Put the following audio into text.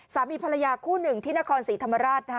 สามีภรรยาคู่หนึ่งที่นครศรีธรรมราช